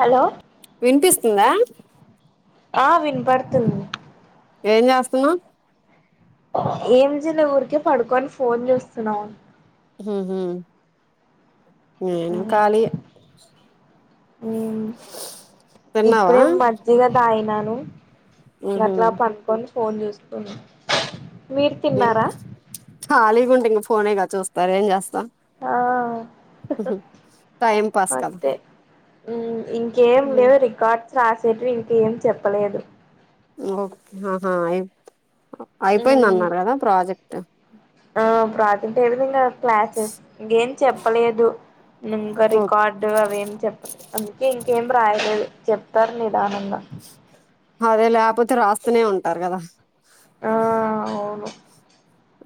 Hello వినిపిస్తుందా ఆ వినపడుతుంది ఏం చేస్తున్నావు ఏం చేయలే ఊరికే పడుకోని ఫోన్ చూస్తున్నాం ఉహు నేను ఖాళీయే తిన్నావా ఇప్పుడే మజ్జిగ తాగినాను ఉహు అట్లా పండుకొని ఫోన్ చూసుకున్నా ఖాళీగా ఉంటే ఇంక ఫోనేగా చూస్తారు ఏం చేస్తాం ఆ టైమ్ పాస్ కి అంతే ఇంకేం లేవు రికార్డ్స్ రాసేటీవీ ఇంకేం చెప్పలేదు ఓకే ఆహా అయిపోయింది అన్నారు కదా ప్రాజెక్ట్ ఆ ప్రాజెక్టు ఏ విధంగా ఇంకా క్లాసెస్ ఇంకేం చెప్పలేదు ఇంకా రికార్డ్ డు అవేం చెప్పలే అందుకే ఇంకేం రాయలేదు చెప్తారు నిదానంగా అదేలే లేకపోతే రాస్తూనే ఉంటారు కదా ఆ అవును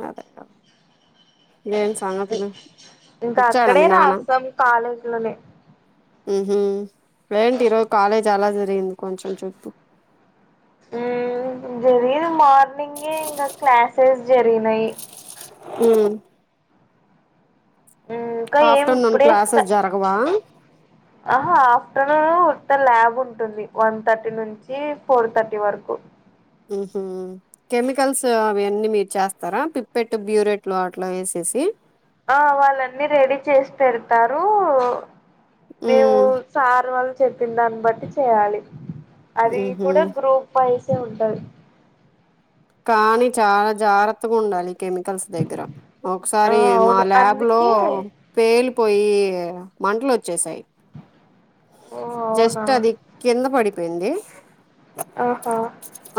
అదే అదే ఏం సంగతులు వచ్చడా మీ నాన్న కాలేజ్లోనే ఉహు ఏంటి ఈరోజు కాలేజ్ ఎలా జరిగింది కొంచెం చెప్పు జరిగిన మార్నింగే ఇంకా క్లాసెస్ జరిగినాయి ఊ ఊ ఇంకా ఏం ఆఫ్టర్నూన్ ఇప్పుడే స్ట క్లాసెస్ జరగవా ఆహ ఆఫ్టర్నూన్ ఉత్త ల్యాబ్ ఉంటుంది వన్ థర్టీ నుంచి ఫోర్ థర్టీ వరకు ఉహు కెమికల్స్ అవన్నీ మీరు చేస్తారా పిప్పెట్టు బ్యూరెట్లు అట్లా వేసేసి ఆ వాళ్ళన్నీ రెడీ చేసి పెడతారు మేము ఉమ్ సార్ వాల్ చెప్పిన దాన్ని బట్టి చేయాలి అది ఉహు కూడా గ్రూప్ వైసే ఉంటది కానీ చాలా జాగ్రత్తగ ఉండాలి కెమికల్స్ దగ్గర ఆ ఒకసారి మా అవును ల్యాబ్ లో అందుకే పేలి పోయి మంటలొచ్చేసాయి ఓ అవునా జస్ట్ అది కింద పడిపోయింది ఆహా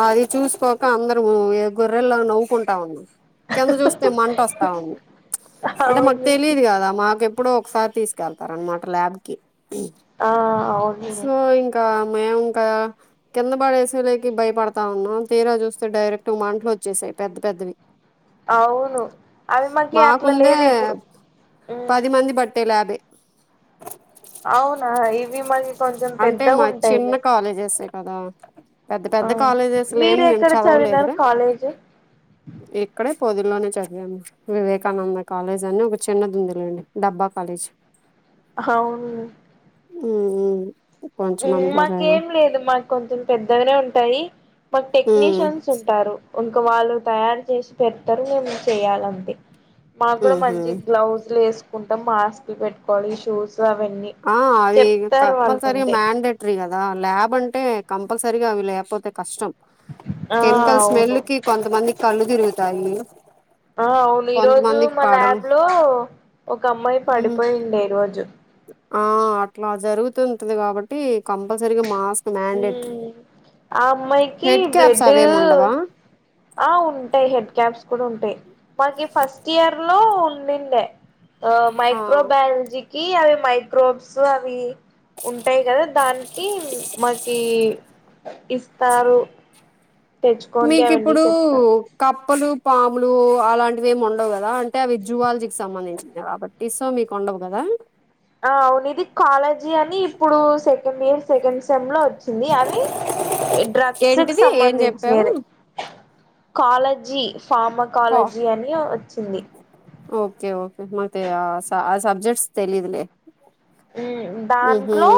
అది చూసుకోక అందరమూ ఇగ గొర్రెల్లా నవ్వుకుంటా ఉన్నం కింద చూస్తే మంట వస్తా ఉంది అంటే మాకు అవును తెలీదు గదా మాకెప్ ప్పుడో ఒకసారి తీసుకెళ్తారనమాట ల్యాబ్ కి ఆ అవును సో ఇం కా మేము ఇంక కింద పడేసేలేకి భయపడతా ఉన్నాం తీరా చూస్ తె డైరెక్ట్ మాంటలొచ్చేసాయి పెద్ద పెద్దవి అవును అవి మాకి అట్ల మాకుందే లేదు ఇప్పుడు మ్మ్ పది మంది బట్టే ల్యాబే అవునా ఇవి మరి అంటే మాయి చిన్న కాలేజెసే కదా పెద్ద ఆ పెద్ద కాలేజెస్ లో ఏమి మీరు మేము ఎక్కడ చదివినారు చదవలేదురా కాలేజీ ఇక్కడే పొదిల్లోనే చదివాము వివేకానంద కాలేజ్ అని ఒక చిన్నదుంది లేండి డబ్బా కాలేజ్ ఆహ ఉంది ఉమ్ ఉమ్ కొంచెం ఉమ్ అందులో చదివా మాకేం లేదు మాకు కొంచెం పెద్దగనే ఉంటాయి మాకు ఉమ్ టెక్నీషియన్స్ ఉంటారు ఇంక వాళ్ళు తయారు చేసి పెడతరు మేము చేయాలంతే మాగ్గుడ ఉహు మంచి గ్లౌసులేసుకుంటాం మాస్క్లు పెట్టుకోవాలి షూస్ అవన్నీ ఆ అవి చెప్తారు వాళ్ళు కత్మల్సరిగ ముందే మ్యాండెట్ ట్రి కదా ల్యాబ్ అంటే కంపల్సరీగ అవి లేకపోతే కష్టం ఆ కెమికల్ అవును స్మెల్ల్ కి కొంతమంది కళ్ళు తిరుగుతాయి ఆ అవును ఈ రోజు కొంతమందికి మా పడవు ల్యాబ్ లో ఒక అమ్మాయి ఉమ్. పడిపోయిండే ఈరోజు ఆ అట్ల జరుగుతుంటది కాబట్టి కంపల్సరిగ మాస్క్ మాండేట్రి మ్మ్ ఆ అమ్మాయికి హెడ్కాప్స్ బ్లడ్ అవేముండవ ఆ ఉంటయి హెడ్ క్యాప్స్ కూడ ఉంటయి మాకి ఫస్ట్ ఇయర్ లో ఉండిండే ఆ మైక్రోబయల్జీకి అవి మైక్రోబ్స్ అవీ ఉంటయి గదా దానికి మకీ ఇస్తారు తెచ్చుకోండి అవన్నీ మీకుప్పుడు చెప్తారు కప్పలు, పాములు అలాంటివి ఏమి ఉండవు గదా అంటే అవి జువాలజీకి సంబంధించినయి గాబట్ యి సో మీకు ఉండవు గదా ఆ అవును ఇది కాలేజీ అని ఇప్పుడు సెకండ్ ఇయర్ సెకండ్ సెమ్ లో వచ్చిన్ చింది అవి డ్రగ్స్ కు ఏంటిది ఏం చెప్పావు సంబంధించినరె కాలజీ ఫార్మ కా కాలజీ అని వచ్చింది ఓకే ఓకే మక్ తె ఆ స ఆ సబ్జెక్ట్స్ తెలిద్లే ఊమ్ దాంట్లో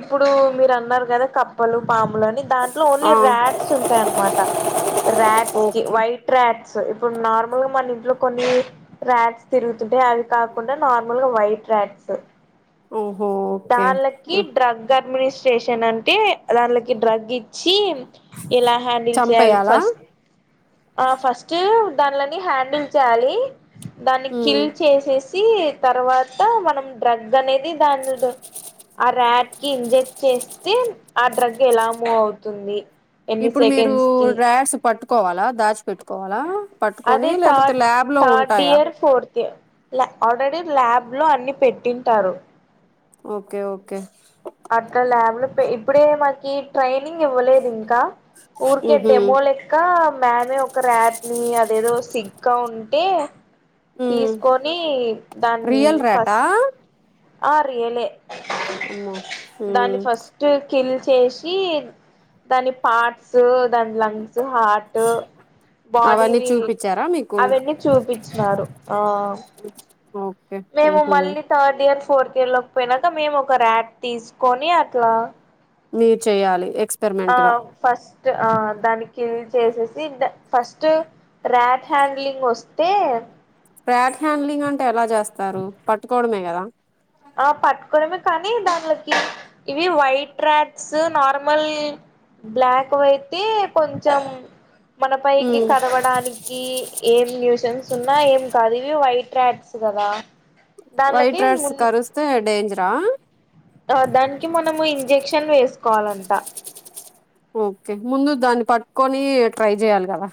ఇప్పుడు మీరన్నరు కదా కప్పలు పాములు అని దాంట్లో ఓన్లీ ఆ ర్యాట్స్ ఉంటయన్నమాట ర్యాట్స్ కి ఓకే వైట్ ర్యాట్స్ ఇప్పుడు నార్మల్ గ మన ఇంట్లో కొన్ని ర్యాట్స్ తిరుగుతుంటయి అవి కాకుండా నార్మల్ గ వైట్ ర్యాట్స్ ఓహో ఓకే దాళ్ళకి ఉహ్. డ్రగ్ అడ్మినిస్ట్రేషన్ అంటే దాన్ళకి డ్రగ్ ఇచ్చి ఎలా హ్యాండిల్ చేయాలి చంపేయాలా ఫస్ట్ ఆ ఫస్ట్ దానిలని హ్యాండిల్ చేయాలి దాన్ని ఉమ్ కిల్ చేసేసి సి తర్వాత మనం డ్రగ్ అనేది దాని ఆ ర్యాట్ కి ఇంజెక్ట్ చేస్తే ఆ డ్రగ్ ఎలా మూవ్ అవుతుంది ఎన్ని ఇప్పుడు మీరు సెకండ్స్ కి ర్యాడ్స్ పట్టుకోవాలా దాచిపెట్టుకోవాలా పట్టుకొని లేకపోతే ల్యాబ్ లో ఉంటాయా ఫోర్తే ల్యా ఆల్రెడీ ల్యాబ్ లో అన్ని పెట్టింటారు ఓకే ఓకే అక్కడ ల్యాబ్ లో ఇప్పుడే మకి ట్రైనింగ్ ఇవ్వలేదు ఇంకా ఊరికే ఉహు డెమోలెక్ ఇంకా మేమే ఒక రాట్ని అదేదో సిగ్గా ఉంటే ఉమ్ తీసుకొని దాన్ని రియల్ ర్యాటా ఫస్ట్ ఆ రియలే అమ్మో ఉ దాన్ని ఫస్ట్ కిల్ చేసి దాని పార్ట్స్ దాని లంగ్స్ హార్ట్ బాడీ అవన్నీ చూపించారా మీకు అవన్నీ చూపించినారు ఆ ఓకే మేము ఉహు మళ్ళీ థర్డ్ ఇయర్ ఫోర్త్ ఇయర్ లోకి పోయినాక మేము ఒక ర్యాట్ తీసుకొని అట్లా మీరు చేయాలి ఎక్స్ ఆ ఫస్ట్ ఆ దాన్ని కిల్ చేసేసి ఇ ఫస్ట్ ర్యాట్ హ్యాడ్లింగ్ వస్తే ర్యాట్ హ్యాండ్లింగ్ అంటే ఎలా చేస్తారు పట్టుకోవడమే కదా ఆ పట్టుకోవడమే కానీ దాంలోకి ఇవి వైట్ రాట్స్ నార్మల్ బ్లాక్ వైయితే కొంచెం మన పైకి ఉమ్ కరవడానికి ఈ ఏం న్యూసెన్స్ ఉన్నా ఏం కాదు ఇవి వైట్ రాట్స్ కదా వైట్ దాన్లకి ము రైట్స్ కరుస్తే డేంజరా ఆ దానికి మనము ఇంజెక్షన్ వేసుకోవాలంట ఓకే ముందు దాన్ని పట్టుకొని ట్రై చేయాలి కదా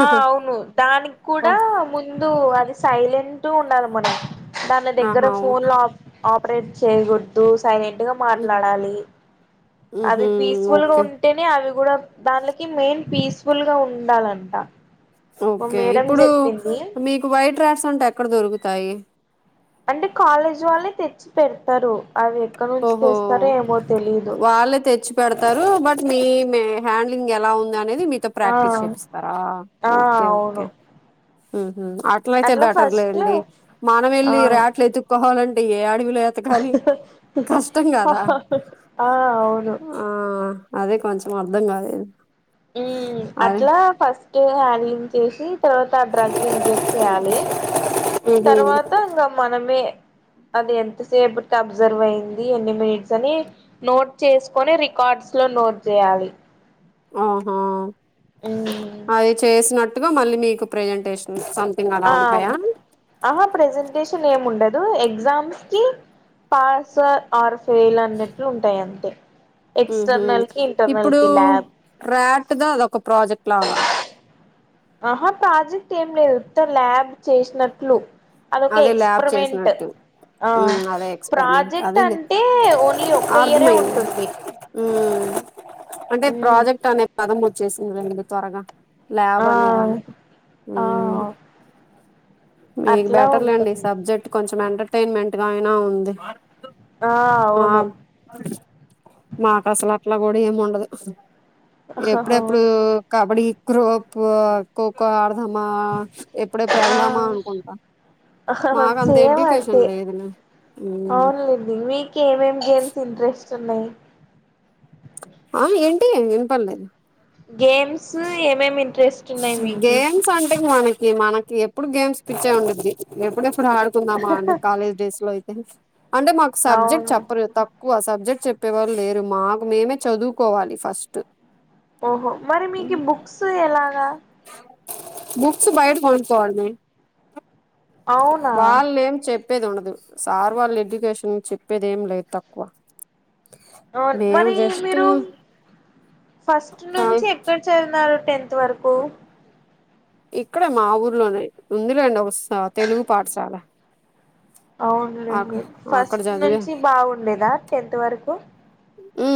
ఆ అవును దానికి కూడా ముందు అది సైలెంట్ ఉండాలి మన దాని దగ్గర ఆహా ఓకే ఫోన్లు లాక్ ఆపరేట్ చేయకూడదు సైలెంట్ గా మాట్లాడాలి అది మ్హూ. పీస్ఫుల్ ఓకే ఉం అంటేనే అవి కూడా దానిలకి మెయిన్ పీస్ఫుల్ గా ఉండాలంట మా ఓకే మేడం ఇప్పుడు చెప్పింది మీకు వైట్ రాట్స్ అంట ఎక్కడ దొరుకుతాయి అంటే కాలేజ్ వాళ్ళే తెచ్చి పెడతారు అవి ఎక్కడ నుంచి ఓహో తెస్తారో ఏమో తెలీదు వాళ్ళ తెచ్చి పెడతారు బట్ మీ మీ హ్యాండ్లింగ్ ఎలా ఉంది అనేది మీ తప్పు ఆ ప్రాక్టీస్ చేపిస్తారా ఆ ఓకే ఓకే అవును ఉమ్ అట్లయితే అట్లా ఫస్ట్ బెటర్లేండి మనం ఆ వెళ్ళి రాట్లు ఎతుక్కోవాలింటే ఏ అడవిలో ఎతకాలి కష్టం కదా ఆ అవును ఆ అదే కొంచెం అర్ధం కాలేదు మ్ అదే అట్లా ఫస్ట్ హ్యాండ్లింగ్ చేసి ఆ తర్వాత ఆ డ్రగ్ ఇంజెక్ట్ చేయాలి తర్వాత ఇంక మనమే అది ఎంతసేపుటికి అబ్జర్వ్ అయింది ఎన్ని మినిట్స్ అని నోట్ చేసుకొని రికార్డ్స్ లో నోట్ చేయాలి ఆహా ఉమ్ అది చేసినట్టుగా మళ్ళీ మీకు ప్రెజెంటేషన్ అంతే ఆ ఆహా ప్రెజెంటేషన్ ఏమి ఉండదు ఎగ్జామ్స్ కి పాస్ ఆర్ ఫైల్ అన్నట్లు ఉంటాయి అంతే ఎక్స్టర్నల్ కి ఇంటర్నల్ కి ల్యాబ్ ర్యాట్ద అదొక ప్రాజెక్ట్ లాగా ఆహా ప్రాజెక్ట్ ఏం లేదు ఉత్త ల్యాబ్ చేసినట్లు అదొకే అదే ల్యాబ్ ఎక్స్పెరిమెంట్ చేసినట్టు ఆ ఉమ్ అదే ఎక్స్పెరిమెంట్ ప్రాజెక్ట్ అదేలే అంటే ఓన్లీ ఒక్క ఇయరే ఉంటుంది ఉ అంటే మ్మ్ ప్రాజెక్ట్ అనే పదం వచ్చేసింది లేఅండి త్వరగా ల్యాబ్ ఆ అనే దానికి ఆ మీ అట్లా ఫీడ్బాక్ ఉంటుంది సబ్జెక్ట్ కొంచం ఎంటర్టైన్మెంట్ గా అయినా ఉంది ఆ ఆ అవును మాకు అసల అట్లా కూడా ఏమి ఉండదు ఎప్పుడెప్పుడు ఆ కబడ్డీ క్రోప్ ఖోఖో ఆడదామ ఎప్పుడప్పుడు వెళ్దామా అనుకుంటా ఆహ్ మాకు అంత సేమ్ ఎడ్యుకేషన్ అంతే లేదులే అవునులేడి మీ కి ఏమేమి గేమ్స్ ఇంట్రెస్ట్ ఉన్నాయి ఆ ఏంటి వినపలేదు గేమ్స్ ఏమేమి ఇంట్రెస్ట్ ఉన్నాయి మీకి గేమ్స్ అంటే ఇంకా మనకి మనకి ఎప్పుడు గేమ్స్ పిచ్చే ఉండీద్ది ఎప్పుడెప్పుడు ఆడుకో కుందమా అనీ కాలేజ్ డేస్ లో అయితే అంటే మాకు సబ్జెక్ట్ అవును చెప్పరు తక్క క్కువ సబ్జెక్ట్ చెప్పే వాళ్ళు లేరు మాకు మేమే చదువుకోవాలి ఫస్ట్ ఓహో మరి మీకు బుక్స్ ఎలాగా బుక్స్ బయట కొనుకోవాలి అవునా వాళ్ళ ఏం చెప్ చెప్పేది ఉండదు సార్ వాళ్ళు ఎడ్యుకేషన్ చెప్పేదేం లేదు తక్కువ అవును మేము మరి జస్ట్ మీరు ఫస్ట్ నుంచి ఎక్కడ చదివినారు టెన్త్ వరకు ఇక్కడే మా ఊర్లోనే ఉందిలేండి స్ ఒక తెలుగు పాఠశాల అవునులేండి అక్కడ ఫస్ట్ చదివా నుంచి బాగుండేదా టెన్త్ వరకు ఉ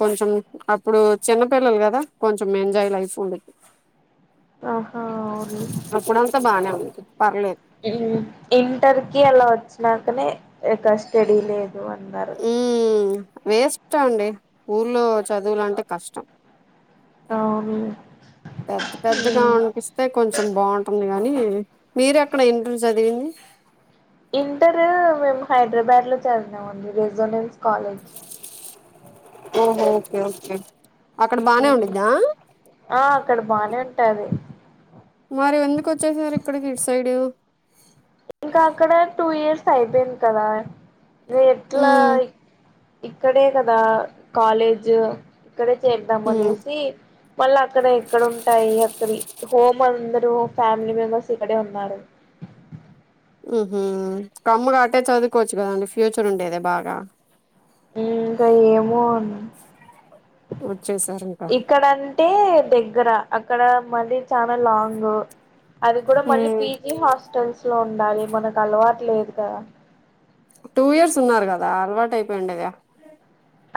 కొంచెం అప్పుడు చిన్నపిల్లలు కదా కొంచెం ఎంజాయ్ లైఫ్ ఉంది ఆహా అవును అంతా బాగానే ఉంది పర్లేదు ఇంటర్ కి అలా వచ్చినాకనే ఇక్కడ స్టడీ లేదు అన్నారు ఉ వేస్ట్ అండి ఊర్లో చదువులు అంటే కష్టం అవును పెద్ద పెద్దగా అనిపిస్తుంది అయితే కొంచెం బాగుంటుంది గాని మీర ఎక్కడ ఇంటర్ చదివింది ఇంటరు మేము హైదరాబాద్ లో చదివాము అండి రెజోనెన్స్ కాలేజ్ ఓహో ఓకే ఓకే అక్కడ బానే ఉండిద్దా ఆ అక్కడ బానే ఉంటాది మరి ఎందుకు వచ్చేసారు ఇక్కడికి ఇటు సైడు ఇంకా అక్కడే టూ ఇయర్స్ అయిపోయింది కదా ఎట్లా ఉమ్ ఇక్కడే కదా కాలేజ్ ఇక్కడే చేరద్దాం ఉమ్ అనేసి మళ్ళ అక్కడ ఇక్కడ ఉంటాయి అక్కడి హోమ్ అందరూ ఫ్యామిలీ మెంబర్స్ ఇక్కడే ఉన్నారు ఉహూ మ్ కమ్ముగా అటే చదువుకోవచ్చు కదండి ఫ్యూచర్ ఉండేది బాగా మ్.. ఇంకా ఏమో వచ్చేసారు ఇంకా ఇక్కడ అంటే దగ్గర అక్కడ మళ్ళీ చాలా లాంగ్ అది కూడా మళ్ళీ ఉమ్ పీజీ హాస్టల్స్ లో ఉండాలి మనకు అలవాటు లేదు కదా టూ ఇయర్స్ ఉన్నారు కదా అలవాటు అయిపోయిండెగా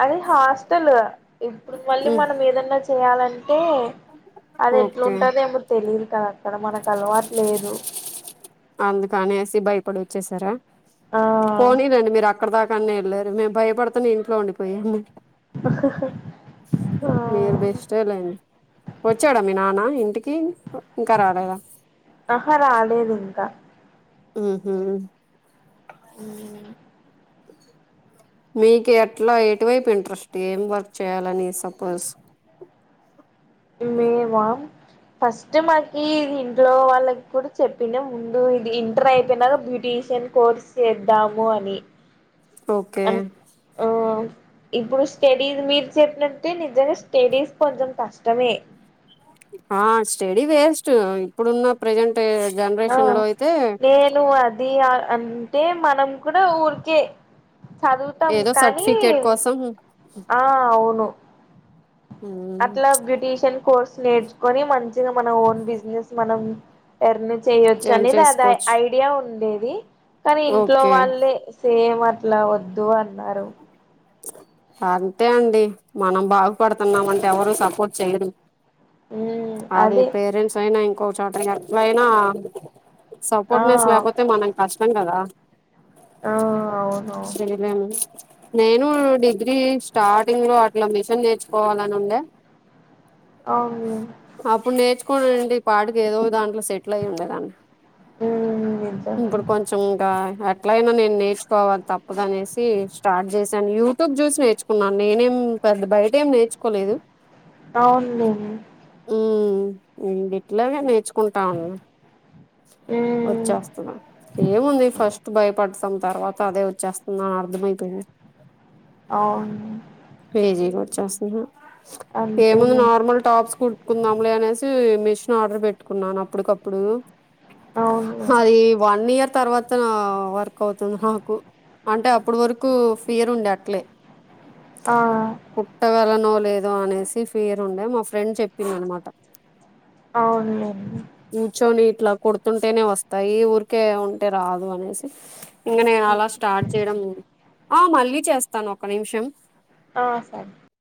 అది హాస్టల్ ఇప్పుడు మళ్ళీ ఉమ్ మనం ఏదన్నా చేయాలంటే అది ఓకే ఎట్లుంటాదొ ఏమో తెలిదు కదా అక్కడ మనకు అలవాటు లేదు అందుకనేసి భయపడి వచ్చేసారా ఆ పోనీలేండి మీరు అ అక్కడ దాకాన్న యేళ్ళారు మేము భయపడుతునే ఇంట్లో ఉండిపోయాము ఆ మీరు బె లేండి వచ్చాడా మీ నాన్న ఇంటికి ఇంకా రాలేదా ఆహా రాలేదు ఇంకా ఉహు ఉనా మ్మ్ మీకు ఎట్లా ఎటువైపు ఇంట్రెస్ట్ ఏం వర్క్ చేయ్యాలని సపోజ్ లేవా ఫస్ట్ మాకి ఇది ఇంట్లో వాళ్ళకి కూడా చెప్పిండే ముందు ఇది ఇంటర్ అయిపోయినాక బ్యూటీషియన్ కోర్స్ చేద్దాము అని ఓకే ఓ ఇప్పుడు స్టడీస్ మీరు చెప్పినట్టే నిజంగా స్టడీస్ కొంచెం కష్టం తామే ఆ స్టడీ వేస్ట్ ఇప్పుడున్న ప్రజెంట్ ఆ జనరేషన్ లో అయితే నేను వద్ అది అంటే మనం కూడా ఊరికే చదువుతాం ఏదో కానీ సర్టిఫికేట్ కోసం ఆ అవును ఉమ్, అట్లా బ్యూటీషియన్ కోర్స్ నేర్చుకొని మంచిగా మన ఓన్ బిజినెస్ మనం ఎర్న్ చేయొచ్చు జాయిన్ అనేది అది చేసుకోవచ్చు ఐడియా ఉండేది కానీ ఇంట్లో ఓకే వాళ్ళే సేమ్ అట్లా వద్దు అన్నారు అంతే అండి మనం బాగుపడుతున్నామంటే ఎవ్వరు సపోర్ట్ చేయ్యరు అదే పేరెంట్స్ అయినా ఇంకోచోట ఎట్లయినా ఆ సపోర్ట్ నెస్ లేకపోతే మనం కష్టం కదా ఆ అవును రండి నేను డిగ్రీ స్టార్టింగ్ లో అట్లా మిషన్ నేర్చుకోవాలని ఉండే అవునులే అప్పుడు నేర్చుకోని ఉండింటే ఈ పాటకి ఏదో ఓ దాంట్లో సెటిల్ అయ్యి ఉండేదన్ని ఉమ్ నిజమే ఇప్పుడు కొంచెం కొంచెంగా ఎట్లయినా నేను నేర్చుకోవాలి తప్పదనేసి స్టార్ట్ చేశాను యూట్యూబ్ చూసి నేర్చుకున్నాను నేనేం పెద్ద బయట ఏం నేర్చుకోలేదు అవునులేండి మ్మ్ ఇట్లాగా నేర్చుకుంటాం ఇంగా వ ఉమ్ వచ్చేస్తాద ఏముంది ఫస్ట్ భయపడతాం తర్వాత అదే వచ్చేస్తుంది అని అర్దమయిపోయింది అవును ఉమ్ ఏముంది అంతేలే నార్మల్ టాప్స్ కుట్ కుందాంలే అనేసి మిషన్ ఆర్డర్ పెట్టుకున్నాను అప్పటికప్పుడు అవునులే అది వన్ ఇయర్ తర్వాత అత వర్క్ అవుతుంది నాకు అంటే అప్పుడు వరకు పేరుండే అట్లే ఆ కుట్టగలనో లేదో అనేసి ఫీయర్ ఉండే మా ఫ్రెండ్ చెప్పింది అనమాట అవునులేండి కూర్చొని ఇట్లా కుడుతుంటేనే వస్తాయి ఊరికే ఉంటే రాదు అనేసి ఇంక నేను ఉమ్ అలా స్టార్ట్ చేయడం ఆ మళ్ళీ చేస్తాను ఒక్క నిమిషం ఆ సార్